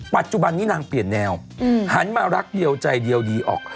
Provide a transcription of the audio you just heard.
ปัจจุบันนี้นางเปลี่ยนแนวหันมารักเดียวใจเดียวดีออก